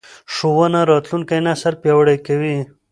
ښوونه راتلونکی نسل پیاوړی کوي